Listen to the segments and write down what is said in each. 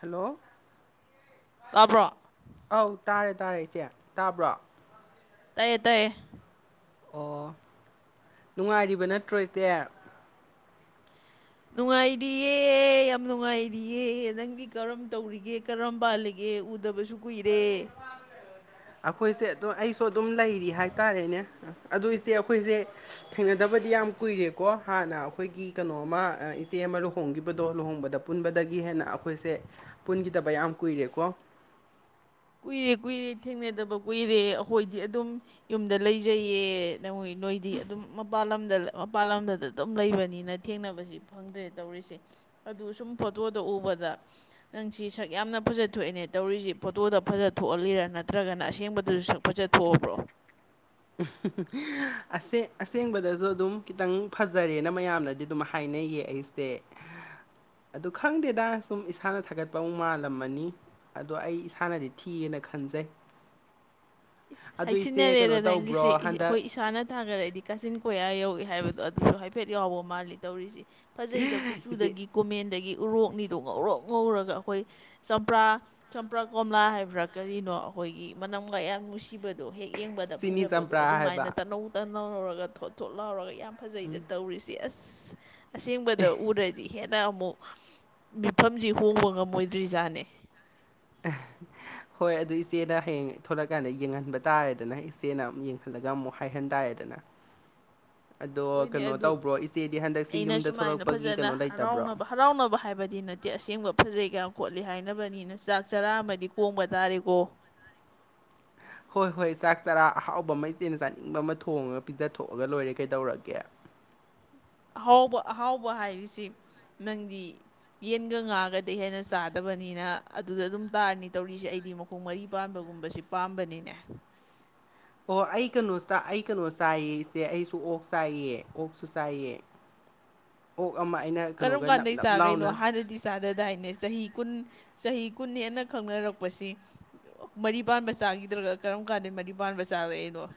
hello ꯇꯥꯕꯔꯣ ꯑꯧ ꯇꯥꯔꯦ ꯇꯥꯔꯦ ꯏꯆꯦ ꯇꯥꯕ꯭ꯔꯣ ꯇꯌꯦ ꯇꯌꯦ ꯑꯣ ꯅꯨꯡꯉꯥꯏꯔꯤꯕ ꯅꯠꯇ꯭ꯔꯣ ꯏꯆꯦ ꯅꯨꯡꯉꯥꯏꯔꯤꯌꯦ ꯌꯥꯝ ꯅꯨꯡꯉꯥꯏꯔꯤꯌꯦ ꯅꯪꯗꯤ ꯀꯔꯝ ꯇꯧꯔꯤꯒꯦ ꯀꯔꯝ ꯄꯥꯜꯂꯤꯒꯦ ꯎꯗꯕꯁꯨ ꯀꯨꯏꯔꯦ ꯑꯩꯈꯣꯏꯁꯦ ꯑꯗꯨꯝ ꯑꯩꯁꯨ ꯑꯗꯨꯝ ꯂꯩꯔꯤ ꯍꯥꯏꯇꯥꯔꯦꯅꯦ ꯑꯗꯨ ꯏꯆꯦ ꯑꯩꯈꯣꯏꯁꯦ ꯊꯦꯡꯅꯗꯕꯗꯤ ꯌꯥꯝ ꯀꯨꯏꯔꯦꯀꯣ ꯍꯥꯟꯅ ꯑꯩꯈꯣꯏꯒꯤ ꯀꯩꯅꯣꯃ ꯏꯆꯦ ꯑꯃ ꯂꯨꯍꯣꯡꯈꯤꯕꯗꯣ ꯂꯨꯍꯣꯡꯕꯗ ꯄꯨꯟꯕꯗꯒꯤ ꯍꯦꯟꯅ ꯑꯩꯈꯣꯏꯁꯦ ꯄꯨꯟꯈꯤꯗꯕ ꯌꯥꯝ ꯀꯨꯏꯔꯦꯀꯣ ꯀꯨꯏꯔꯦ ꯀꯨꯏꯔꯦ ꯊꯦꯡꯅꯗꯕ ꯀꯨꯏꯔꯦ ꯑꯩꯈꯣꯏꯗꯤ ꯑꯗꯨꯝ ꯌꯨꯝꯗ ꯂꯩꯖꯩꯌꯦ ꯅꯪꯏ ꯅꯣꯏꯗꯤ ꯑꯗꯨꯝ ꯃꯄꯥꯜ ꯂꯝꯗ ꯃꯄꯥꯥꯟ ꯂꯝꯗꯗ ꯑꯗꯨꯝ ꯂꯩꯕꯅꯤꯅ ꯊꯦꯡꯅꯕꯁꯤ ꯐꯪꯗ꯭ꯔꯦ ꯇꯧꯔꯤꯁꯦ ꯑꯗꯨ ꯁꯨꯝ ꯐꯣꯇꯣꯗ ꯎꯕꯗ ꯅꯪ ꯁꯤ ꯁꯛ ꯌꯥꯝꯅ ꯐꯖꯊꯑꯦꯅꯦ ꯇꯧꯔꯤꯁꯤ ꯐꯣꯇꯣꯗ ꯐꯖ ꯊꯣꯛꯍꯜꯂꯤꯔꯥ ꯅꯠꯇ꯭ꯔꯒꯅ ꯑꯁꯦꯡꯕꯗꯨꯁꯨ ꯁꯛ ꯐꯖ ꯊꯣꯛꯑꯕ꯭ꯔꯣ [unintelligible] ꯑꯁꯦꯡꯕꯗꯁꯨ ꯑꯗꯨꯝ ꯈꯤꯇꯪ ꯐꯖꯔꯦꯅ ꯃꯌꯥꯝꯅꯗꯤ ꯑꯗꯨꯝ ꯍꯥꯏꯅꯩꯌꯦ ꯑꯩꯁꯦ [inaudible] ꯑꯗꯨ ꯈꯪꯗꯦꯗ ꯁꯨꯝ ꯏꯁꯥꯅ ꯊꯥꯒꯠꯄ ꯑꯃꯨꯛ ꯃꯥꯜꯂꯝꯃꯅꯤ ꯑꯗꯣ ꯑꯩ ꯏꯁꯥꯅꯗꯤ ꯊꯤꯑꯦꯅ ꯈꯟꯖꯩ ꯑꯗꯨ ꯏꯆꯦ ꯍꯩꯆꯟꯅꯔꯦꯗ ꯀꯩꯅꯣ ꯅꯪꯒꯤꯁꯦ ꯇꯧꯕ꯭ꯔꯣ ꯑꯦ ꯍꯟꯗꯛ ꯑꯩꯈꯣꯏ ꯏꯁꯥꯅ ꯊꯥꯒꯡꯔꯗꯤ ꯀꯥꯆꯤꯟ ꯀꯣꯏꯌꯥ ꯌꯧꯏ ꯍꯥꯏꯕꯗꯣ ꯑꯗꯨꯁꯨ ꯍꯥꯏꯐꯦꯠ ꯌꯥꯎꯕ ꯃꯥꯜꯂꯤ ꯇꯧꯔꯤꯁꯤ ꯐꯖꯩꯗ ꯏꯆꯦ ꯀꯨꯆꯨꯗꯒꯤ ꯀꯣꯃꯦꯟꯗꯒꯤ ꯎꯔꯣꯛꯅꯤꯗꯣ ꯉꯧꯔꯣꯛ ꯉꯧꯔꯒ ꯑꯩꯈꯣꯏ ꯆꯝꯄ꯭ꯔꯥ ꯆꯝꯄ꯭ꯔꯥ ꯀꯣꯝꯂꯥ ꯍꯥꯏꯕ꯭ꯔꯥ ꯀꯔꯤꯅꯣ ꯑꯩꯈꯣꯏꯒꯤ ꯃꯅꯝꯒ ꯌꯥꯝ ꯅꯨꯡꯁꯤꯕꯗꯣ ꯍꯦꯛ ꯌꯦꯡꯕꯗ ꯆꯤꯅꯤ ꯐꯖꯕꯗꯣ ꯆꯝꯄ꯭ꯔꯥ ꯑꯗꯨꯃꯥꯏꯅ ꯍꯥꯏꯕ ꯇꯅꯧ ꯇꯅꯧ ꯂꯧꯧꯔꯒ ꯊꯣꯠ ꯊꯣꯠ ꯂꯥꯎꯔꯒ ꯌꯥꯝ ꯐꯖꯩꯗ ꯇꯧꯔꯤꯁꯤ ꯑꯁ ꯑꯁꯦꯡꯕꯗ ꯎꯗ꯭ꯔꯗꯤ ꯍꯦꯟꯅ ꯅ ꯑꯃꯨꯛ ꯃꯤꯐꯝꯁꯤ ꯍꯣꯡꯕ ꯉꯝꯃꯣꯏꯗ꯭ꯔꯤꯖꯥꯠꯅꯦ [unintelligible] ꯍꯣꯏ ꯑꯗꯨ ꯏꯆꯦꯅ ꯍꯌꯦꯡ ꯊꯣꯛꯂꯛꯀꯥꯟꯗ ꯌꯦꯡꯍꯟꯕ ꯇꯥꯔꯦꯗꯅ ꯏꯆꯦꯅ ꯑꯃꯨꯛ ꯌꯦꯡꯍꯜꯂꯒ ꯑꯃꯨꯛ ꯍꯥꯏꯍꯟ ꯇꯥꯔꯦꯗꯅ [inaudible] ꯑꯗꯣ ꯑꯣꯏꯅꯧ ꯀꯩꯅꯣ ꯑꯗꯨ ꯇꯧꯕ꯭ꯔꯣ ꯏꯆꯦꯗꯤ ꯍꯟꯗꯛꯁꯤ ꯑꯩꯅ ꯌꯨꯝꯗ ꯁꯨꯃꯥꯏꯅ ꯊꯣꯛꯂꯛꯄꯒꯤ ꯐꯖꯅ ꯀꯩꯅꯣ ꯂꯩꯇꯕ꯭ꯔꯣ ꯍꯔꯥꯎꯅꯕ ꯍꯔꯥꯎꯅꯕ ꯍꯥꯏꯕꯗꯤ ꯅꯠꯇꯦ ꯤ ꯑꯁꯦꯡꯕ ꯐꯖꯩ ꯈꯣꯠꯂꯤ ꯍꯥꯏꯅꯕꯅꯤꯅ ꯆꯥꯛ ꯆꯔꯥ ꯑꯃꯗꯤ ꯀꯣꯡꯕ ꯇꯥꯔꯦꯀꯣ ꯍꯣꯏ ꯍꯣꯏ ꯆꯥꯛ ꯆꯔꯥ ꯑꯍꯥꯎꯕ ꯑꯃ ꯏꯆꯦꯅ ꯆꯥꯅꯤꯡꯕ ꯑꯃ ꯊꯣꯡꯉꯒ ꯄꯤꯖꯊꯣꯛꯑꯒ ꯂꯣꯏꯔꯦ ꯀꯩꯗꯧꯔꯒꯦ ꯑꯍꯥꯎꯕ ꯑꯍꯥꯎꯕ ꯍꯥꯏꯔꯤꯁꯤ ꯅꯪꯗꯤ ꯌꯦꯟꯒ ꯉꯥꯒꯗꯤ ꯍꯦꯟꯅ ꯆꯥꯗꯕꯅꯤꯅ ꯑꯗꯨꯗ ꯑꯗꯨꯝ ꯇꯥꯔꯅꯤ ꯇꯧꯔꯤꯁꯦ ꯑꯩꯗꯤ ꯃꯈꯣꯡ ꯈꯣꯡ ꯃꯔꯤ ꯄꯥꯟꯕꯒꯨꯝꯕꯁꯤ ꯄꯥꯝꯕꯅꯤꯅꯦ ꯑꯣ ꯑꯩ ꯀꯩꯅꯣ ꯑꯩ ꯀꯩꯅꯣ ꯆꯥꯏꯌꯦ ꯏꯁꯦ ꯑꯩꯁꯨ ꯑꯣꯛ ꯆꯥꯏꯌꯦ ꯑꯣꯛꯁꯨ ꯆꯥꯏꯑ [inaudible] ꯑꯣꯛ ꯑꯃ ꯑꯩꯅ ꯀꯩꯅꯣꯒ ꯅꯞ ꯅꯞ ꯂꯥꯎꯅ ꯗꯤ ꯆꯥꯗꯗꯥꯏꯅꯦ ꯆꯍꯤ ꯀꯨꯟ ꯆꯍꯤ ꯀꯨꯟꯅꯦꯅ ꯈꯪꯅꯔꯛꯄꯁꯤ ꯃꯔꯤ ꯄꯥꯟꯕ ꯆꯥꯈꯤꯗ꯭ꯔꯒ ꯀꯔꯝ ꯀꯥꯟꯗ ꯃꯔꯤ ꯄꯥꯟꯕ ꯆꯥꯔꯛꯑꯏꯅꯣ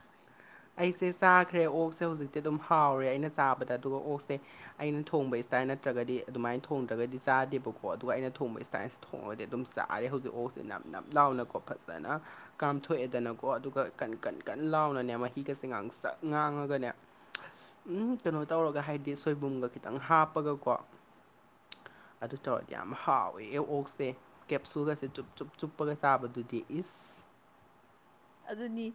ꯑꯩꯁꯦ ꯆꯥꯈ꯭ꯔꯦ ꯑꯣꯛꯁꯦ ꯍꯧꯖꯤꯛꯇꯤ ꯑꯗꯨꯝ ꯍꯥꯎꯔꯦ ꯑꯩꯅ ꯆꯥꯕꯗ ꯑꯗꯨꯒ ꯑꯣꯛꯁꯦ ꯑꯩꯅ ꯊꯣꯡꯕ ꯏꯁꯇꯥꯏꯜ ꯅꯠꯇ꯭ꯔꯒꯗꯤ ꯑꯗꯨꯃꯥꯏꯅ ꯊꯣꯡꯗ꯭ꯔꯒꯗꯤ ꯆꯥꯗꯦꯕꯀꯣ ꯑꯗꯨꯒ ꯑꯩꯅ ꯊꯣꯡꯕ ꯏꯁꯇꯥꯏꯜ ꯊꯣꯡꯉꯗꯤ ꯑꯗꯨꯝ ꯆꯥꯛꯔꯦ ꯍꯧꯖꯤꯛ ꯍꯧꯍꯁꯤꯦ ꯅꯞ ꯅꯞ ꯂꯥꯎꯅꯀꯣ ꯐꯖꯅ ꯀꯥꯝꯊꯣꯛꯑꯦꯗꯅꯀꯣ ꯑꯗꯨꯒ ꯀꯟ ꯀꯟ ꯀꯟ ꯂꯥꯎꯅꯅꯦ ꯃꯍꯩ ꯃꯤꯠꯒꯁꯦ ꯉꯥꯡꯁꯪ ꯉꯥꯡꯒꯅꯦ ꯎꯝ ꯀꯩꯅꯣ ꯇꯧꯔꯒ ꯍꯥꯏꯗꯤ ꯁꯣꯏꯕꯨꯝꯒ ꯈꯤꯇꯪ ꯍꯥꯞꯄꯒꯀꯣ ꯑꯗꯨ ꯇꯧꯔꯗꯤ ꯌꯥꯝ ꯍꯥꯎꯋꯦ ꯑꯦ ꯑꯣꯛꯁꯦ ꯀꯦꯞꯁꯨꯜꯒꯁꯦ ꯆꯨꯞ ꯆꯨꯞ ꯆꯨꯞꯄꯒ ꯆꯥꯕꯗꯨꯗꯤ ꯏꯁ ꯑꯗꯨꯅꯤ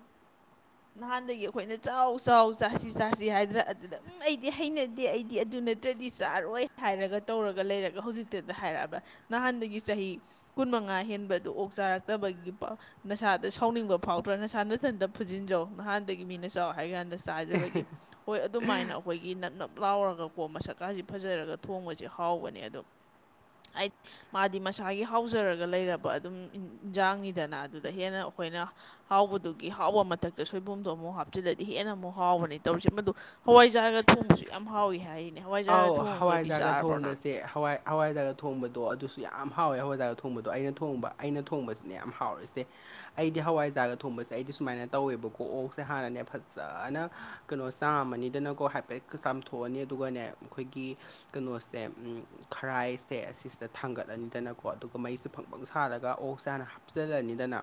ꯅꯍꯥꯟꯗꯒꯤ ꯑꯩꯈꯣꯏꯅ ꯆꯥꯎ ꯆꯥꯎ ꯆꯥꯁꯤ ꯆꯥꯁꯤ ꯍꯥꯏꯗ꯭ꯔꯥ ꯑꯗꯨꯗ ꯎꯝ ꯑꯩꯗꯤ ꯍꯩꯅꯗꯦ ꯑꯩꯗꯤ ꯑꯗꯨꯅꯇꯦ ꯑꯗꯨꯗꯤ ꯆꯥꯔꯣꯏ ꯍꯥꯏꯔꯒ ꯇꯧꯔꯒ ꯂꯩꯔꯒ ꯍꯧꯖꯤꯛꯇꯗ ꯍꯥꯏꯔꯛꯑꯒ ꯅꯍꯥꯟꯗꯒꯤ ꯆꯍꯤ ꯀꯨꯟ ꯃꯉꯥ ꯍꯦꯟꯕꯗꯨ ꯑꯣꯛ ꯆꯥꯔꯛꯇꯕꯒꯤ ꯅꯁꯥꯗ ꯁꯥꯎꯅꯤꯡꯕ ꯐꯥꯎꯗ꯭ꯔꯣ ꯅꯁꯥ ꯅꯊꯟꯗ ꯐꯨꯖꯤꯟꯖꯧ ꯅꯍꯥꯟꯗꯒꯤ ꯃꯤꯅ ꯆꯥꯎ ꯍꯥꯏ ꯀꯥꯟꯗ ꯆꯥꯗꯕꯒꯤ ꯍꯣꯏ ꯑꯗꯨꯃꯥꯏꯅ ꯑꯩꯈꯣꯏꯒꯤ ꯅꯞ ꯅꯞ ꯂꯥꯎꯔꯒꯀꯣ ꯃꯁꯛꯀꯥꯁꯦ ꯐꯖꯔꯒ ꯊꯣꯡꯕꯁꯤꯦ ꯍꯥꯎꯕꯅꯦ ꯑꯗꯣ ꯑꯥꯏꯗ ꯃꯥꯗꯤ ꯃꯁꯥꯒꯤ ꯍꯥꯎꯖꯔꯒ ꯂꯩꯔꯕ ꯑꯗꯨꯝ ꯏꯟꯖꯥꯡꯅꯤꯗꯅ ꯑꯗꯨꯗ ꯍꯦꯟꯅ ꯑꯩꯈꯣꯏꯅ ꯍꯥꯎꯕꯗꯨꯒꯤ ꯍꯥꯎꯕ ꯃꯊꯛꯇ ꯁꯣꯏꯕꯨꯝꯗꯣ ꯑꯃꯨꯛ ꯍꯥꯞꯆꯤꯜꯂꯗꯤ ꯍꯦꯟꯅ ꯑꯃꯨꯛ ꯍꯥꯎꯕꯅꯦ ꯇꯧꯔꯤꯁꯦ ꯃꯗꯨ ꯍꯋꯥꯏꯖꯥꯒ ꯊꯣꯡꯕꯁꯨ ꯌꯥꯝ ꯍꯥꯎꯏꯤ ꯍꯥꯏ ꯑꯥꯎ ꯍꯋꯥꯏꯖꯥꯒ ꯊꯣꯡꯕꯁꯦ ꯍꯋꯥꯏ ꯍꯋꯥꯏꯖꯔꯒ ꯊꯣꯡꯕꯗꯣ ꯑꯗꯨꯁꯨ ꯌꯥꯝ ꯍꯥꯎꯋꯦ ꯍꯋꯥꯏꯖꯔꯒ ꯊꯣꯡꯕꯗꯣ ꯑꯩꯅ ꯊꯣꯡꯕ ꯑꯩꯅ ꯊꯣꯡꯕꯁꯤꯅ ꯌꯥꯝ ꯍꯥꯎꯋꯁꯦ ꯑꯩꯗꯤ ꯍꯋꯥꯏꯖꯥꯔꯒ ꯊꯣꯡꯕꯁꯦ ꯑꯩꯗꯤ ꯁꯨꯃꯥꯏꯅ ꯇꯧꯋꯦꯕꯀꯣꯛ ꯑꯣꯛꯁꯦ ꯍꯥꯟꯅꯅꯦ ꯐꯖꯅ ꯀꯩꯅꯣ ꯆꯥꯝꯃꯅꯤꯗꯅꯀꯣ ꯍꯥꯏꯐꯦꯠ ꯆꯥꯝꯊꯣꯛꯑꯅꯤ ꯑꯗꯨꯒꯅꯦ ꯑꯩꯈꯣꯏꯒꯤ ꯀꯩꯅꯣꯁꯦ ꯈꯔꯥꯏꯁꯦ ꯑꯁꯤꯁꯤꯗ ꯊꯥꯡꯒꯠꯂꯅꯤꯗꯅꯀꯣ ꯑꯗꯨꯒ ꯃꯩꯁꯦ ꯐꯪꯐꯪ ꯁꯥꯔꯒ ꯑꯣꯛ ꯁꯦ ꯍꯥꯟꯅ ꯍ ꯆꯜꯂꯅꯤꯗꯅꯅꯥ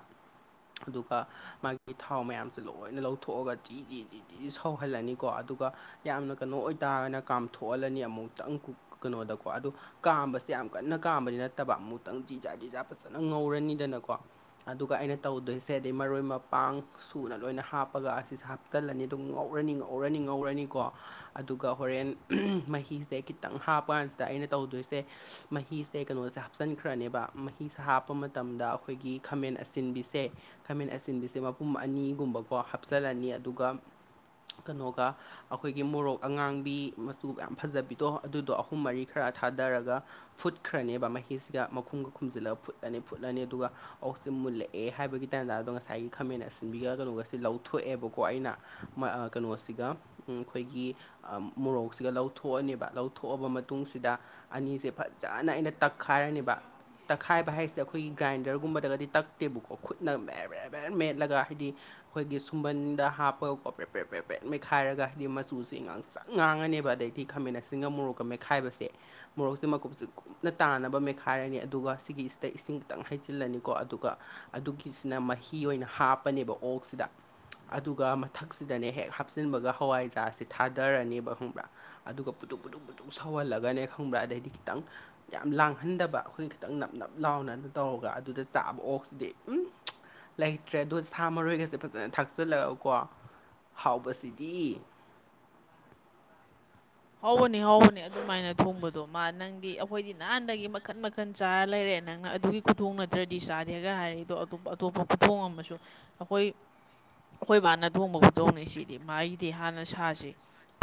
ꯑꯗꯨꯒ ꯃꯥꯒꯤ ꯊꯥꯎ ꯃꯌꯥꯝꯁꯦ ꯂꯣꯏꯅ ꯂꯧꯊꯣꯛꯑꯒ ꯒꯤ ꯒꯤ ꯒꯤ ꯒꯤ ꯁꯧꯍꯜꯂꯅꯤ ꯀꯣ ꯑꯗꯨꯒ ꯌꯥꯝꯅ ꯀꯩꯅꯣ ꯑꯣꯏꯇꯥꯔꯅ ꯀꯥꯝꯊꯣꯛꯍꯜꯂꯅꯤ ꯑꯃꯨꯛꯇꯪ ꯀꯩꯅꯣꯗꯀꯣ ꯑꯗꯨ ꯀꯥꯝꯕꯁꯦ ꯌꯥꯝ ꯀꯟꯅ ꯀꯥꯝꯕꯗꯤ ꯅꯠꯇꯕ ꯑꯃꯨꯛꯇꯪ ꯖꯤꯖꯥ ꯖꯤꯖꯥ ꯐꯖꯅ ꯉꯧꯔꯅꯤꯗꯅꯀꯣ ꯑꯗꯨꯒ ꯑꯩꯅ ꯇꯧꯗꯣꯏꯁꯦ ꯑꯗꯩ ꯃꯔꯣꯏ ꯃꯄꯥꯡ ꯁꯨꯅ ꯂꯣꯏꯅ ꯍꯥꯞꯄꯒ ꯑꯁꯤꯁꯦ ꯍꯥꯞꯆꯜꯂꯅꯤ ꯑꯗꯨꯝ ꯉꯧꯔꯅꯤ ꯉꯧꯔꯅꯤ ꯉꯧꯔꯅꯤꯀꯣ ꯑꯗꯨꯒ ꯍꯣꯔꯦꯟ ꯃꯍꯤꯁꯦ ꯈꯤꯇꯪ ꯍꯥꯞꯄ ꯀꯥꯟꯁꯤꯗ ꯑꯩꯅ ꯇꯧꯗꯣꯏꯁꯦ ꯃꯍꯤꯁꯦ ꯀꯩꯅꯣꯁꯦ ꯍꯥꯞꯆꯤꯟꯈ꯭ꯔꯅꯦꯕ ꯃꯍꯤꯁꯥ ꯍꯥꯞꯄ ꯃꯇꯝꯗ ꯑꯩꯈꯣꯏꯒꯤ ꯈꯥꯃꯦꯟ ꯑꯁꯤꯟꯕꯤꯁꯦ ꯈꯥꯃꯦꯟ ꯑꯁꯤꯟꯕꯤꯁꯦ ꯃꯄꯨꯝ ꯑꯅꯤꯒꯨꯝꯕꯀꯣ ꯍꯥꯞꯆꯤꯜꯂꯅꯤ ꯑꯗꯨꯒ ꯀꯩꯅꯣꯒ ꯑꯩꯈꯣꯏꯒꯤ ꯃꯣꯔꯣꯛ ꯑꯉꯥꯡꯕꯤ ꯃꯆꯨꯒ ꯌꯥꯝ ꯐꯖꯕꯤꯗꯣ ꯑꯗꯨꯗꯣ ꯑꯍꯨꯝ ꯃꯔꯤ ꯈꯔ ꯊꯥꯗꯔꯒ ꯐꯨꯠꯈ꯭ꯔꯅꯦꯕ ꯃꯍꯤꯁꯤꯒ ꯃꯈꯨꯝꯒ ꯈꯨꯝꯖꯤꯜꯂꯒ ꯐꯨꯠꯂꯅꯤ ꯐꯨꯠꯂꯅꯤ ꯑꯗꯨꯒ ꯑꯣꯛꯁꯤ ꯃꯨꯜꯂꯦ ꯑꯦ ꯍꯥꯏꯕꯒꯤ ꯇꯥꯏꯖ ꯑꯗꯣ ꯉꯁꯥꯏꯒꯤ ꯈꯥꯃꯦꯟ ꯑꯁꯤꯟꯕꯤꯒ ꯀꯩꯅꯣꯒ ꯁꯤ ꯂꯧꯊꯣꯛꯑꯦꯕꯀꯣ ꯑꯩꯅ ꯃꯣꯏ ꯑ ꯀꯩꯅꯣꯁꯤꯒ ꯑꯩꯈꯣꯏꯒꯤ ꯃꯣꯔꯣꯛꯁꯤꯒ ꯂꯧꯊꯣꯛꯑꯅꯦꯕ ꯂꯧ ꯊꯣꯛꯣꯛꯑꯕ ꯃꯇꯨꯡꯁꯤꯗ ꯑꯅꯤꯁꯦ ꯐꯖꯅ ꯑꯩꯅ ꯇꯛꯈꯥꯏꯔꯅꯦꯕ ꯇꯛꯈꯥꯏꯕ ꯍꯥꯏꯁꯦ ꯑꯩꯈꯣꯏꯒꯤ ꯒ꯭ꯔꯥꯏꯟꯗꯔꯒꯨꯝꯕꯗꯒꯗꯤ ꯇꯛꯇꯦꯕꯀꯣ ꯈꯨꯠꯅꯦꯦ ꯕꯦ ꯃꯦꯠꯂꯒ ꯍꯥꯏꯗꯤ ꯑꯩꯈꯣꯏꯒꯤ ꯁꯨꯝꯕꯟꯗ ꯍꯥꯞꯄꯒꯀꯤ ꯄꯦꯄꯔꯠ ꯄꯦꯄꯔꯦꯠ ꯃꯩꯈꯥꯏꯔꯒ ꯍꯥꯏꯗꯤ ꯃꯆꯨꯁꯤ ꯉꯥꯡꯁ ꯆꯥꯏ ꯉꯥꯡꯉꯅꯦꯕ ꯑꯗꯩꯗꯤ ꯈꯥꯃꯦꯟ ꯑꯁꯤꯟꯒ ꯃꯣꯔꯣꯛ ꯀꯃꯦꯛꯈꯥꯏꯕꯁꯦ ꯃꯣꯔꯣꯛꯁꯦ ꯃꯀꯨꯞꯁꯦ ꯅ ꯇꯥꯅꯕ ꯃꯦꯠꯈꯥꯏꯔꯅꯤ ꯑꯗꯨꯒ ꯁꯤꯒꯤꯁꯤꯗ ꯏꯁꯤꯡ ꯈꯤꯇꯪ ꯍꯩꯖꯤꯜꯂꯅꯤꯀꯣ ꯑꯗꯨꯒ ꯑꯗꯨꯒꯤꯁꯤꯅ ꯃꯍꯤ ꯑꯣꯏꯅ ꯍꯥꯞꯄꯅꯦꯕ ꯑꯣꯛꯁꯤꯗ ꯑꯗꯨꯒ ꯃꯊꯛꯁꯤꯗꯅꯦ ꯍꯦꯛ ꯍꯥꯞꯆꯤꯟꯕꯒ ꯍꯋꯥꯏꯖꯥꯔꯥꯁ ꯊꯥꯗꯔꯅꯤꯕ ꯈꯪꯕ꯭ꯔꯥ ꯑꯗꯨꯒ ꯄꯨꯠꯇꯛ ꯄꯨꯛ ꯄꯨꯇꯛ ꯁꯧꯍꯜꯂꯒꯅꯦ ꯈꯪꯕ꯭ꯔꯥ ꯑꯗꯩꯗꯤ ꯈꯤꯇꯪ ꯌꯥꯝ ꯂꯥꯡꯍꯟꯗꯕ ꯑꯩꯈꯣꯏ ꯈꯤꯇꯪ ꯅꯞ ꯅꯞ ꯂꯥꯎꯅꯅ ꯇꯧꯔꯒ ꯑꯗꯨꯗ ꯆꯥꯕ ꯑꯣꯛꯁꯤꯗꯤ ꯎ ꯂꯩꯇ꯭ꯔꯦ ꯑꯗꯣ ꯁꯥ ꯃꯔꯣꯏꯒꯁꯦ ꯐꯖꯅ ꯊꯥꯛꯆꯤꯜꯂꯒꯀꯣ ꯍꯥꯎꯕꯁꯤꯗꯤ ꯍꯥꯎꯕꯅꯦ ꯍꯥꯎꯕꯅꯦ ꯑꯗꯨꯃꯥꯏꯅ ꯊꯣꯡꯕꯗꯣ ꯃꯥ ꯅꯪꯒꯤ ꯑꯩꯈꯣꯏꯗꯤ ꯅꯍꯥꯟꯗꯒꯤ ꯃꯈꯟ ꯃꯈꯜ ꯀꯟ ꯆꯥꯔ ꯂꯩꯔꯛꯑꯦ ꯅꯪꯅ ꯑꯗꯨꯒꯤ ꯈꯨꯊꯣꯡ ꯅꯠꯇ꯭ꯔꯗꯤ ꯆꯥꯗꯦꯒ ꯍꯥꯏꯔ ꯑꯗꯣꯇꯣꯞ ꯑꯇꯣꯞꯄ ꯈꯨꯊꯣꯡ ꯑꯃꯁꯨ ꯑꯈꯣꯏ ꯑꯩꯈꯣꯏ ꯕꯥꯅ ꯊꯣꯡꯕ ꯈꯨꯗꯣꯡꯅꯤ ꯁꯤꯗꯤ ꯃꯥꯒꯤꯗꯤ ꯍꯥꯟꯅ ꯁꯥꯁꯤ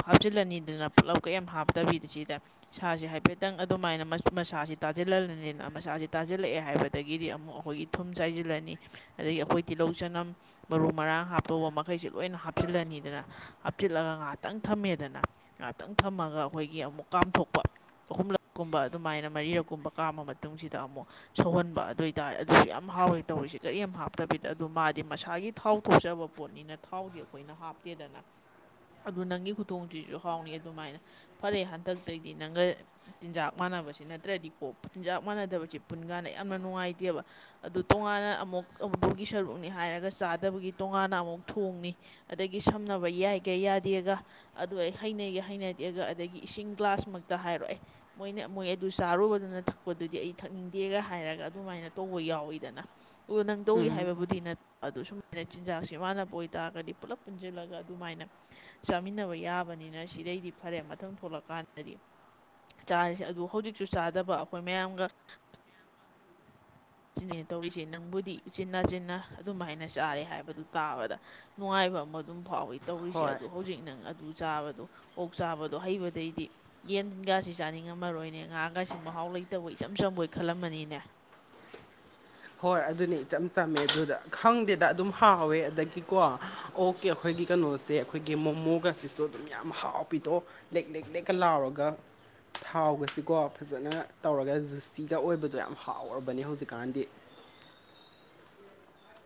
ꯍꯥꯞꯆꯤꯜꯂꯅꯤꯗꯅ ꯄꯨꯠꯂꯞ ꯀꯩꯌꯥꯝ ꯍꯥꯞꯇꯕꯤꯗ ꯁꯤꯗ ꯁꯥꯁꯤꯦ ꯍꯥꯏꯐꯦꯠꯇꯪ ꯑꯗꯨꯃꯥꯏꯅ ꯃꯁꯁꯤ ꯇꯥꯁꯤꯜꯍꯜꯂꯅꯤꯅ ꯃꯁꯥꯁꯤ ꯇꯥꯁꯤꯜꯂꯛꯑꯦ ꯍꯥꯏꯕꯗꯒꯤꯗꯤ ꯑꯃꯨꯛ ꯑꯩꯈꯣꯏꯒꯤ ꯊꯨꯝ ꯆꯥꯏꯖꯤꯜꯂꯅꯤ ꯑꯗꯒꯤ ꯑꯩꯈꯣꯏ ꯇꯤꯜꯍꯧ ꯆꯅꯝ ꯃꯔꯨ ꯃꯔꯥꯡ ꯍꯥꯞꯇꯧꯕ ꯃꯈꯩꯁꯦ ꯂꯣꯏꯅ ꯍꯥꯞꯆꯤꯜꯂꯅꯤꯗꯅ ꯍꯥꯞꯆꯤꯜꯂꯒ ꯉꯥꯏꯍꯥꯛꯇꯪ ꯊꯝꯃꯦꯗꯅ ꯉꯥꯏꯍꯥꯛꯇꯪ ꯊꯝꯃꯒ ꯑꯩꯈꯣꯏꯒꯤ ꯑꯃꯨꯛ ꯀꯥꯝꯊꯣꯛꯄ ꯑꯍꯨꯝꯂꯛꯀꯨꯝꯕ ꯑꯗꯨꯃꯥꯏꯅ ꯃꯔꯤꯔꯛꯀꯨꯝꯕ ꯀꯥꯃ ꯃꯇꯨꯡꯁꯤꯗ ꯑꯃꯨꯛ ꯁꯧꯍꯟꯕ ꯑꯗꯨ ꯑꯣꯏꯇꯥꯔꯦ ꯑꯗꯨꯁꯨ ꯌꯥꯝ ꯍꯥꯎꯋꯤ ꯇꯧꯔꯤꯁꯦ ꯀꯔꯤꯝ ꯍꯥꯞꯇꯕꯤꯗ ꯑꯗꯨ ꯃꯥꯗꯤ ꯃꯁꯥꯒꯤ ꯊꯥꯎ ꯊꯣꯛꯆꯕ ꯄꯣꯠꯅꯤꯅ ꯊꯥꯎꯗꯤ ꯑꯩꯈꯣꯏꯅ ꯍꯥꯞꯇꯦꯗꯅ ꯑꯗꯨ ꯅꯪꯒꯤ ꯈꯨꯊꯣꯡꯁꯤꯁꯨ ꯍꯥꯎꯅꯤ ꯑꯗꯨꯃꯥꯏꯅ ꯐꯔꯦ ꯍꯟꯗꯛꯇꯒꯤꯗꯤ ꯅꯪꯒ ꯆꯤꯟꯖꯥꯛ ꯃꯥꯟꯅꯕꯁꯤ ꯅꯠꯇ꯭ꯔꯗꯤꯀꯣ ꯆꯤꯟꯖꯥꯛ ꯃꯥꯟꯅꯗꯁ ꯄꯨꯟ ꯀꯥꯟꯗ ꯌꯥꯝꯅ ꯅꯨꯡꯉꯥꯏꯇꯦꯕ ꯑꯗꯨ ꯇꯣꯉꯥꯟꯅ ꯑꯃꯨꯛ ꯑꯗꯨꯒꯤ ꯁꯔꯨꯛꯅꯤ ꯍꯥꯏꯔꯒ ꯆꯥꯗꯕꯒꯤ ꯇꯣꯉꯥꯟꯅ ꯑꯃꯨꯛ ꯊꯣꯡꯅꯤ ꯑꯗꯒꯤ ꯁꯝꯅꯕ ꯌꯥꯏꯒ ꯌꯥꯗꯦꯒ ꯑꯗꯨ ꯑꯩ ꯍꯩꯅꯩꯒ ꯍꯩꯅꯗꯦꯒ ꯑꯗꯒꯤ ꯏꯁꯤꯡ ꯒ꯭ꯂꯥꯁꯃꯛꯇ ꯍꯥꯏꯔꯛꯑꯦ ꯃꯣꯏꯅ ꯃꯣꯏ ꯑꯗꯨ ꯆꯥꯔꯨꯕꯗꯨꯅ ꯊꯛꯄꯗꯨꯗꯤ ꯑꯩ ꯊꯛꯅꯤꯡꯗꯦꯒ ꯍꯥꯏꯔꯒ ꯑꯗꯨꯃꯥꯏꯅ ꯇꯧꯕ ꯌꯥꯎꯋꯤꯗꯅ ꯑꯣ ꯅꯪ ꯇꯧꯏꯤ ꯎꯝ ꯍꯥꯏꯕꯕꯨꯗꯤ ꯅꯠꯇꯦ ꯑꯗꯨ ꯁꯨꯃꯥꯏꯅ ꯆꯤꯟꯖꯥꯛꯁꯤꯦ ꯃꯥꯟꯅꯕ ꯑꯣꯏꯇꯥꯔꯒꯗꯤ ꯄꯨꯂꯞ ꯄꯨꯟꯁꯤꯜꯂꯒ ꯑꯗꯨꯃꯥꯏꯅ ꯆꯥꯃꯤꯟꯅꯕ ꯌꯥꯕꯅꯤꯅ ꯁꯤꯗꯩꯗꯤ ꯐꯔꯦ ꯃꯊꯪ ꯊꯣꯛꯂꯛꯀꯥꯟꯗꯗꯤ ꯆꯥꯔꯤꯁꯦ ꯑꯗꯨ ꯍꯧꯖꯤꯛꯁꯨ ꯆꯥꯗꯕ ꯑꯩꯈꯣꯏ ꯃꯌꯥꯝꯒ ꯁꯤꯅꯦ ꯇꯧꯔꯤꯁꯦ ꯅꯪꯕꯨꯗꯤꯆꯤꯟꯅ ꯆꯤꯟꯅ ꯑꯗꯨꯝ ꯍꯥꯏꯅ ꯆꯥꯔꯦ ꯍꯥꯏꯕꯗꯨ ꯇꯥꯕꯗ ꯅꯨꯡꯉꯥꯏꯕ ꯑꯃ ꯑꯗꯨꯝ ꯐꯥꯎꯏꯤ ꯇꯧꯔꯤꯁꯦ ꯍꯣꯏ ꯑꯗꯨ ꯍꯧꯖꯤꯛ ꯅꯪ ꯑꯣꯛ ꯆꯥꯕꯗꯣ ꯑꯣꯛ ꯆꯥꯕꯗꯣ ꯍꯩꯕꯗꯩꯗꯤ ꯌꯦꯟ ꯒꯁꯤ ꯆꯥꯅꯤꯡꯉꯝꯃꯔꯣꯏꯅꯦ ꯉꯥꯒꯁꯤ ꯃꯍꯥꯎ ꯂꯩꯇꯕ ꯏꯆꯝ ꯆꯝꯕꯣꯏ ꯈꯜꯂꯝꯃꯅꯤꯅꯦ ꯍꯣꯏ ꯑꯗꯨꯅꯤ ꯏꯆꯝ ꯆꯝꯃꯦ ꯑꯗꯨꯗ ꯈꯪꯗꯦꯗ ꯑꯗꯨꯝ ꯍꯥꯎꯋꯦ ꯑꯗꯒꯤꯀꯣ ꯑꯣꯀꯤ ꯑꯩꯈꯣꯏꯒꯤ ꯀꯩꯅꯣꯁꯦ ꯑꯩꯈꯣꯏꯒꯤ ꯃꯣꯃꯣꯒꯁꯤꯁꯨ ꯑꯗꯨꯝ ꯌꯥꯝ ꯍꯥꯎ ꯄꯤꯗꯣ ꯂꯦꯛ ꯂꯦꯛ ꯂꯦꯛꯀ ꯂꯥꯎꯔꯒ ꯊꯥꯎꯒꯁꯤꯀꯣ ꯐꯖꯅ ꯇꯧꯔꯒ ꯖꯨꯁꯤꯗ ꯑꯣꯏꯕꯗꯣ ꯌꯥꯝ ꯍꯥꯎꯔꯕꯅꯤ ꯍꯧꯖꯤꯛꯀꯥꯟꯗꯤ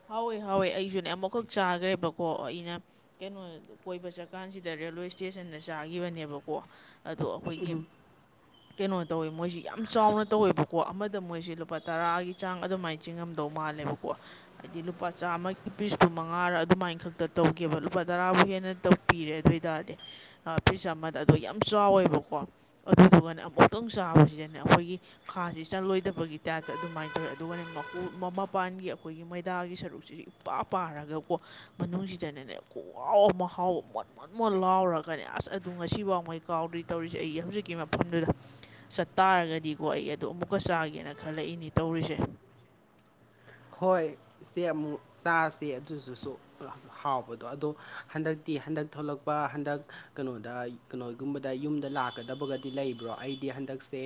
ꯍꯥꯎꯋꯦ ꯍꯥꯎꯋꯦ ꯑꯩꯁꯨꯅꯦ ꯑꯃꯨꯛꯈꯛ ꯆꯥꯈ꯭ꯔꯦꯕꯀꯣ ꯑꯩꯅ ꯀꯩꯅꯣ ꯀꯣꯏꯕ ꯆꯠꯀꯥꯟꯁꯤꯗ ꯔꯦꯜꯋꯦ ꯏꯁꯇꯦꯁꯟꯗ ꯆꯥꯈꯤꯕꯅꯦꯕꯀꯣ ꯑꯗꯣ ꯑꯩꯈꯣꯏꯒꯤ ꯀꯩꯅꯣ ꯇꯧꯋꯦ ꯃꯣꯏꯁꯤ ꯌꯥꯝ ꯆꯥꯎꯅ ꯇꯧꯋꯦꯕꯀꯣ ꯑꯃꯗ ꯃꯣꯏꯁꯤ ꯂꯨꯄꯥ ꯇꯔꯥꯒꯤ ꯆꯥꯡ ꯑꯗꯨꯃꯥꯏꯅ ꯆꯤꯡꯉꯝꯗꯧ ꯃꯥꯜꯂꯦꯕꯀꯣ ꯀꯋꯥ ꯍꯥꯏꯗꯤ ꯂꯨꯄꯥ ꯆꯥꯝꯃꯒꯤ ꯄꯤꯁꯄꯨ ꯃꯉꯥꯔꯥ ꯑꯗꯨꯃꯥꯏꯅ ꯈꯛꯇ ꯇꯧꯒꯦꯕ ꯂꯨꯄꯥ ꯇꯔꯥꯕꯨ ꯍꯦꯟꯅꯧ ꯄꯤꯔꯦ ꯑꯗꯨ ꯑꯣꯏ ꯇꯔꯗꯤ ꯄꯤꯁ ꯑꯃꯗ ꯑꯗꯣ ꯌꯥꯝ ꯆꯥꯎꯋꯦꯕꯀꯣ ꯑꯗꯨꯗꯨꯒꯅ ꯑꯃꯨꯛꯇꯪ ꯆꯥꯕꯁꯤꯖꯟꯅ ꯑꯩꯈꯣꯏꯒꯤ ꯈꯥꯁꯤ ꯆꯜꯂꯣꯏꯗꯕꯒꯤ ꯇꯥꯏꯞꯇ ꯑꯗꯨꯃꯥꯏꯅ ꯇꯧꯋꯤ ꯑꯗꯨꯒ ꯃꯄꯥꯟꯒꯤ ꯑꯩꯈꯣꯏꯒꯤ ꯍꯗꯥꯒꯤ ꯁꯔꯨꯛꯁꯤꯁꯨ ꯏꯄꯥ ꯄꯥꯔꯒ ꯀꯣ ꯃꯅꯨꯡꯁꯤꯗꯅꯦꯅꯦ ꯈꯣꯡꯒꯥꯎ ꯑꯃ ꯍꯥꯎꯕ ꯃꯣꯠ ꯃꯣꯟ ꯃꯣꯟ ꯂꯥꯎꯔ ꯀꯥꯟꯅꯤ ꯑꯁ ꯑꯗꯨ ꯉꯁꯤꯐꯥꯎꯉꯩ ꯀꯥꯎꯗ꯭ꯔꯤ ꯇꯧꯔꯤꯁꯦ ꯑꯩꯒꯤ ꯍꯧꯖꯤꯛꯀꯤ ꯃꯐꯝꯗꯨꯗ ꯆꯠꯇꯥꯔꯒꯗꯤꯀꯣ ꯑꯩ ꯑꯗꯨꯗ ꯑꯃꯨꯛꯀ ꯆꯥꯒꯦꯅ ꯈꯜꯂꯛꯏꯅꯦ ꯇꯧꯔꯤꯁꯦ ꯍꯣꯏ ꯏꯆꯦ ꯑꯃꯨꯛ ꯆꯥꯁꯦ ꯑꯗꯨꯗꯨꯁꯨ ꯍꯥꯎꯕꯗꯣ ꯑꯗꯣ ꯍꯟꯗꯛꯇꯤ ꯍꯟꯗꯛ ꯊꯂꯛꯄ ꯍꯟꯗꯛ ꯀꯩꯅꯣꯗ ꯀꯩꯅꯣꯒꯨꯝꯕꯗ ꯌꯨꯝꯗ ꯂꯥꯛꯀꯗꯕꯒꯗꯤ ꯂꯩꯕ꯭ꯔꯣ ꯑꯩꯗꯤ ꯍꯟꯗꯛꯁꯦ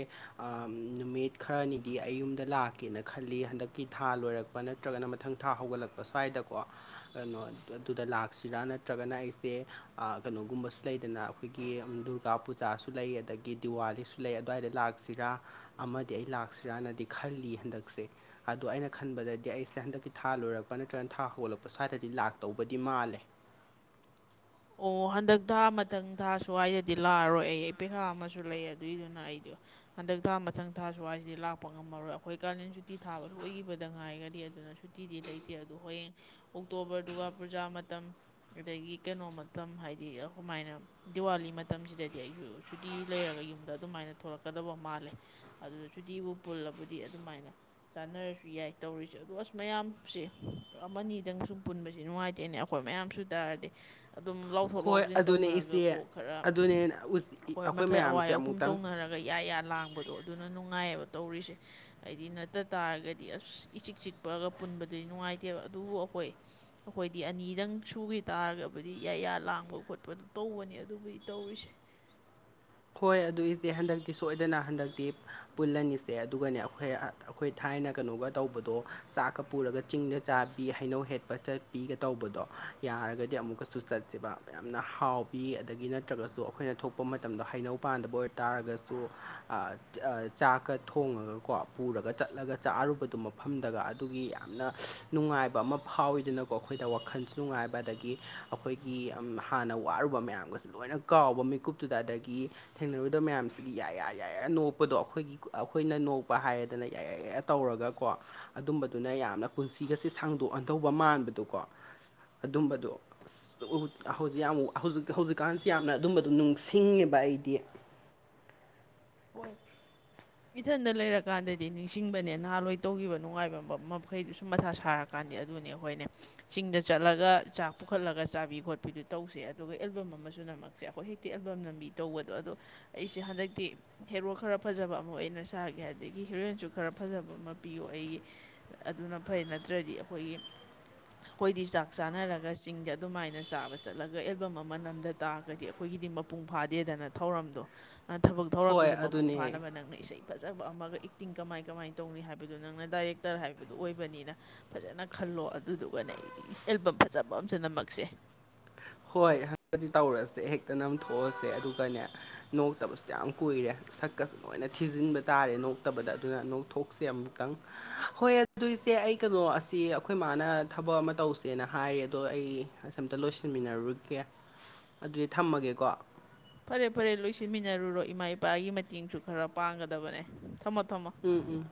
ꯅꯨꯃꯤꯠ ꯈꯔꯅꯤꯗꯤ ꯑꯩꯌꯨꯝꯗ ꯂꯥꯛꯀꯦꯅ ꯈꯜꯂꯤ ꯍꯟꯗꯛꯀꯤ ꯊ ꯊꯥ ꯂꯣꯏꯔꯛꯄ ꯅꯠꯇ꯭ꯔꯒꯅ ꯃꯊꯪ ꯊꯥ ꯍꯧꯒꯠꯂꯛꯄ ꯁ꯭ꯋꯥꯏꯗꯀꯣ ꯀꯩꯅꯣ ꯑꯗꯨꯗ ꯂꯥꯛꯁꯤꯔꯥ ꯅꯠꯇ꯭ꯔꯒꯅ ꯑꯩꯁꯦ ꯀꯩꯅꯣꯒꯨꯝꯕꯁꯨ ꯂꯩꯗꯅ ꯑꯩꯈꯣꯏꯒꯤ ꯗꯨꯔꯒꯥ ꯄꯨꯖꯥꯁꯨ ꯂꯩ ꯑꯗꯒꯤ ꯗꯤꯋꯥꯂꯤꯁꯨ ꯂꯩ ꯑꯗꯨꯋꯥꯏꯗ ꯂꯥꯛꯁꯤꯔꯥ ꯑꯃꯗꯤ ꯑꯩ ꯂꯥꯛꯁꯤꯔꯥꯅꯗꯤ ꯈꯜꯂꯤꯌꯦ ꯍꯟꯗꯛꯁꯦ ꯑꯗꯣ ꯑꯩꯅ ꯈꯟꯕꯗꯗꯤ ꯑꯩꯁꯦ ꯍꯟꯗꯛꯀꯤ ꯊꯥ ꯂꯣꯏꯔꯛꯄ ꯅꯠꯇ꯭ꯔꯒꯅ ꯊꯥ ꯍꯧꯒꯠꯂꯛꯄ ꯁ꯭ꯋꯥꯏꯗꯗꯤ ꯂꯥꯛꯇꯧꯕꯗꯤ ꯃꯥꯜꯂꯦ ꯑꯣ ꯍꯟꯗꯛ ꯊꯥ ꯃꯊꯪ ꯊꯥ ꯁ꯭ꯋꯥꯏꯗꯗꯤ ꯂꯥꯛꯑꯔꯣꯏ ꯑꯩ ꯑꯩ ꯄꯦꯈꯥ ꯑꯃꯁꯨ ꯂꯩ ꯑꯗꯨꯏꯗꯨꯅ ꯑꯩꯗꯣ ꯍꯟꯗꯛ ꯊꯥ ꯃꯊꯪ ꯊꯥ ꯁ꯭ꯋꯥꯏꯁꯤꯗꯤ ꯂꯥꯛꯄ ꯉ ꯑꯩꯈꯣꯏ ꯀꯥꯂꯦꯟ ꯁꯨꯇꯤ ꯊꯥꯕ ꯂꯣꯏꯈꯤꯕꯗ ꯉꯥꯏꯒꯔꯤ ꯑꯗꯨꯅ ꯁꯨꯇꯤꯗꯤ ꯂꯩꯇꯦ ꯑꯗꯨꯗꯣ ꯍꯌꯦꯡ ꯑꯣꯛꯇꯣꯕꯔ ꯗꯨꯒ ꯄꯨꯖꯥ ꯃꯇꯝ ꯑꯗꯒꯤ ꯀꯩꯅꯣ ꯃꯇꯝ ꯍꯥꯏꯗꯤ ꯑꯗꯨꯃꯥꯏꯅ ꯗꯤꯋꯥꯂꯤ ꯃꯇꯝꯁꯤꯗꯗꯤ ꯑꯩꯁꯨ ꯁꯨꯇꯤ ꯂꯩꯔꯒ ꯌꯨꯝꯗ ꯑꯗꯨꯃꯥꯏꯅ ꯊꯣꯛꯂꯛꯀꯗꯕ ꯃꯥꯜꯂꯦ ꯑꯗꯨꯗ ꯁꯨꯇꯤꯕꯨ ꯄꯨꯜꯂꯕꯨꯗꯤ ꯑꯗꯨꯃꯥꯏꯅ ꯆꯥꯟꯅꯔꯁꯨ ꯌꯥꯏ ꯇꯧꯔꯤꯁꯦ ꯑꯗꯣ ꯑꯁ ꯃꯌꯥꯝꯁꯦ ꯑꯃꯅꯤꯗꯪ ꯁꯨꯝ ꯄꯨꯟꯕꯁꯤ ꯅꯨꯡꯉꯥꯏꯇꯦꯅꯦ ꯑꯩꯈꯣꯏ ꯃꯌꯥꯝꯁꯨ ꯇꯥꯔꯗꯤ ꯑꯗꯨꯝ ꯂꯧ ꯆꯣꯊꯣꯛ ꯍꯣꯏ ꯂꯥꯎꯖꯤꯟ ꯑꯗꯨꯅꯦ ꯇꯧꯅꯔꯒ ꯏꯆꯦ ꯀꯣꯛ ꯈꯔ ꯑꯗꯨꯅꯦ ꯑꯩꯈꯣꯏ ꯃꯈꯩ ꯑꯋꯥꯏ ꯃꯌꯥꯝꯁꯦ ꯑꯍꯨꯝ ꯑꯃꯨꯛꯇꯪ ꯇꯧꯅꯔꯒ ꯏꯌꯥ ꯂꯥꯡꯕꯗ ꯑꯗꯣ ꯑꯗꯨꯅ ꯅꯨꯡꯉꯥꯏꯌꯦꯕ ꯇꯧꯔꯤꯁꯦ ꯍꯥꯏꯗꯤ ꯅꯠꯇ ꯇꯥꯔꯒꯗꯤ ꯑꯁ ꯏꯆꯤꯛ ꯆꯤꯛ ꯄꯛꯑꯒ ꯄꯨꯟꯕꯗꯨꯗꯤ ꯅꯨꯡꯉꯥꯏꯇꯦꯕ ꯑꯗꯨꯕꯨ ꯑꯩꯈꯣꯏ ꯑꯩꯈꯣꯏꯗꯤ ꯑꯅꯤꯗꯪ ꯁꯨꯈꯤ ꯇꯥꯔꯒ ꯍꯥꯏꯕꯗꯤ ꯏꯌꯥ ꯂꯥꯡꯕ ꯈꯣꯠꯄ ꯑꯗꯨ ꯇꯧꯕꯅꯤ ꯑꯗꯨꯕꯨꯗꯤ ꯇꯧꯔꯤꯁꯦ ꯍꯣꯏ ꯑꯗꯨꯏꯗꯤ ꯍꯟꯗꯛꯇꯤ ꯁꯣꯏꯗꯅ ꯍꯟꯗꯛꯇꯤ ꯄꯨꯜꯂꯅꯤꯁꯦ ꯑꯗꯨꯒꯅꯦ ꯑꯩꯈꯣꯏ ꯑꯩꯈꯣꯏ ꯊꯥꯏꯅ ꯀꯩꯅꯣꯒ ꯇꯧꯕꯗꯣ ꯆꯥꯛꯀ ꯄꯨꯔꯒ ꯆꯤꯡꯗ ꯆꯥꯕꯤ ꯍꯩꯅꯧ ꯍꯦꯠꯄ ꯆꯠ ꯄꯤꯒ ꯇꯧꯕꯗꯣ ꯌꯥꯔꯒꯗꯤ ꯑꯃꯨꯛꯀꯁꯨ ꯆꯠꯁꯦꯕ ꯌꯥꯝꯅ ꯍꯥꯎ ꯄꯤ ꯑꯗꯒꯤ ꯅꯠꯇ꯭ꯔꯒꯁꯨ ꯑꯩꯈꯣꯏꯅ ꯊꯣꯛ ꯍꯥꯞꯄ ꯃꯇꯝꯗꯣ ꯍꯩꯅꯧ ꯄꯥꯟꯗꯕ ꯑꯣꯏꯇꯥꯥꯔꯒꯁꯨ ꯆꯥꯛꯀ ꯊꯣꯡꯉꯒꯀꯣ ꯄꯨꯔꯒ ꯆꯠꯂꯒ ꯆꯥꯛꯔꯨꯕꯗꯨ ꯃꯐꯝꯗꯒ ꯑꯗꯨꯒꯤ ꯌꯥꯝꯅ ꯅꯨꯡꯉꯥꯏꯕ ꯑꯃ ꯐꯥꯎꯋꯤꯗꯅ ꯀꯣ ꯑꯩꯈꯣꯏꯗ ꯋꯥꯈꯜꯁꯨ ꯅꯨꯡꯉꯥꯏꯕ ꯑꯗꯒꯤ ꯑꯩꯈꯣꯏꯒꯤ ꯍꯥꯟꯅ ꯋꯥꯔꯨꯕ ꯃꯌꯥꯝꯒꯁꯨ ꯂꯣꯏꯅ ꯀꯥꯎꯕ ꯃꯤꯀꯨꯞꯇꯨꯗ ꯑꯗꯒꯤ ꯊꯦꯡꯅꯔꯨꯗꯕ ꯃꯌꯥꯝꯁꯤꯒꯤ ꯌꯥꯏꯌꯥ ꯌꯥꯏꯌꯥ ꯅꯣꯛꯄꯗꯣ ꯑꯩꯈꯣꯏꯒꯤ ꯑꯩꯈꯣꯏꯅ ꯅꯣꯛꯄ ꯍꯥꯏꯔꯦꯗꯅ ꯌꯥ ꯌꯥ ꯇꯧꯔꯒꯀꯣ ꯑꯗꯨꯝꯕꯗꯨꯅ ꯌꯥꯝꯅ ꯄꯨꯟꯁꯤꯒꯁꯦ ꯁꯥꯡꯗꯣꯛ ꯍꯟꯗꯧꯕ ꯃꯥꯟꯕꯗꯣꯀꯣ ꯑꯗꯨꯝꯕꯗꯣ ꯑꯁ ꯌꯥꯝ ꯍꯧꯖꯤꯛ ꯍꯧꯖꯤꯛꯀꯥꯟꯁꯦ ꯌꯥꯝꯅ ꯑꯗꯨꯝꯕꯗꯨ ꯅꯤꯡꯅꯨꯡꯁꯤꯡꯉꯦꯕ ꯑꯩꯗꯤ ꯍꯣꯏ ꯏꯊꯟꯗ ꯂꯩꯔꯀꯥꯟꯗꯗꯤ ꯅꯤꯡꯁꯤꯡꯕꯅꯦ ꯅꯍꯥꯋꯥꯢ ꯇꯧꯈꯤꯕ ꯅꯨꯡꯉꯥꯏꯕ ꯃꯈꯩꯗꯨ ꯁꯨꯝ ꯃꯊꯥ ꯁꯥꯔꯛ ꯀꯥꯟꯗꯦ ꯑꯗꯨꯅꯦ ꯑꯩꯈꯣꯏꯅꯦ ꯆꯤꯡꯗ ꯆꯠꯂꯒ ꯆꯥꯛ ꯄꯨꯈꯠꯂꯒ ꯆꯥꯕꯤ ꯈꯣꯠꯄꯤꯗꯨ ꯇꯧꯁꯦ ꯑꯗꯨꯒ ꯑꯦꯜꯕꯝ ꯑꯃꯁꯨ ꯁꯦ ꯑꯩꯈꯣꯏ ꯍꯦꯛꯇꯤ ꯑꯦꯜꯕꯝ ꯅꯝꯕꯤ ꯇꯧꯕꯗꯣ ꯑꯗꯣ ꯑꯩꯁꯦ ꯍꯟꯗꯛꯇꯤ ꯍꯦꯔꯣ ꯈꯔ ꯐꯖꯕ ꯑꯃ ꯑꯣꯏꯅ ꯁꯥꯒꯦ ꯑꯗꯒꯤ ꯍꯦꯔꯣꯏꯟꯁꯨ ꯈꯔ ꯐꯖꯕ ꯑꯃ ꯄꯤꯌꯣ ꯑꯩꯒꯤ ꯑꯗꯨꯅ ꯐꯩ ꯅꯠꯇ꯭ꯔꯗꯤ ꯑꯩꯈꯣꯏꯒꯤ ꯑꯩꯈꯣꯏꯗꯤ ꯆꯥꯛ ꯆꯥꯅꯔꯒ ꯆꯤꯡꯗ ꯑꯗꯨꯃꯥꯏꯅ ꯆꯥꯕ ꯆꯠꯂꯒ ꯑꯦꯜꯕꯝ ꯑꯃ ꯅꯝꯗ ꯇꯥꯔꯒꯗꯤ ꯑꯩꯈꯣꯏꯒꯤꯗꯤ ꯃꯄꯨꯡ ꯐꯥꯗꯦꯗꯅ ꯊꯧꯔꯝꯗꯣ ꯊꯕꯛ ꯍꯣꯏ ꯊꯧꯔꯝꯗꯨꯁꯨ ꯃꯄꯨꯡ ꯑꯗꯨꯅꯦꯍ ꯐꯥꯅꯕ ꯅꯪꯅ ꯏꯁꯩ ꯐꯖꯕ ꯑꯃꯒ ꯑꯦꯛꯇꯤꯡ ꯀꯃꯥꯏ ꯀꯃꯥꯏꯅ ꯇꯧꯅꯤ ꯍꯥꯏꯕꯗꯨ ꯅꯪꯅ ꯗꯥꯏꯔꯦꯛꯇꯔ ꯍꯥꯏꯕꯗꯨ ꯑꯣꯏꯕꯅꯤꯅ ꯐꯖꯅ ꯈꯜꯂꯣ ꯑꯗꯨꯗꯨꯒꯅꯦ ꯑꯦꯜꯕꯝ ꯐꯖꯕ ꯑꯃꯁꯨ ꯅꯝꯃꯛꯁꯦ ꯍꯣꯏ ꯍꯪꯗꯛꯗꯤ ꯇꯧꯔꯁꯦ ꯍꯦꯛꯇ ꯅꯝꯊꯣꯛꯑꯁꯦ ꯑꯗꯨꯒꯅꯦ ꯅꯣꯛꯇꯕꯁꯨ ꯌꯥꯝ ꯀꯨꯏꯔꯦ ꯁꯛꯀꯁꯨ ꯂꯣꯏꯅ ꯊꯤꯖꯤꯟꯕ ꯇꯥꯔꯦ ꯅꯣꯛꯇꯕꯗ ꯑꯗꯨꯅ ꯅꯣꯛꯊꯣꯛꯁꯦ ꯑꯃꯨꯛꯇꯪ ꯍꯣꯏ ꯑꯗꯨ ꯢꯁꯦ ꯑꯩ ꯀꯩꯅꯣ ꯑꯁꯤ ꯑꯩꯈꯣꯏ ꯃꯥꯅ ꯊꯕꯛ ꯑꯃ ꯇꯧꯁꯦꯅ ꯍꯥꯏꯔꯦ ꯑꯗꯣ ꯑꯩ ꯑꯁ ꯑꯝꯇ ꯂꯣꯏꯁꯤꯟꯃꯤꯟꯅꯔꯨꯒꯦ ꯑꯗꯨꯗꯤ ꯊꯝꯃꯒꯦꯀꯣ ꯐꯔꯦ ꯐꯔꯦ ꯂꯣꯏꯁꯤꯟꯃꯤꯟꯅꯔꯨꯔꯣ ꯏꯃꯥ ꯏꯄꯥꯒꯤ ꯃꯇꯦꯡꯁꯨ ꯈꯔ ꯄꯥꯡꯒꯗꯕꯅꯦ ꯊꯝꯃꯣ ꯊꯝꯃꯣ ꯎꯝ ꯎꯝ